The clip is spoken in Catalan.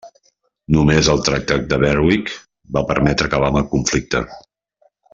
Només el Tractat de Berwick va permetre acabar amb el conflicte.